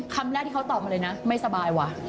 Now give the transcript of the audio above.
คำแรกที่เขาตอบมาเลยนะไม่สบายว่ะ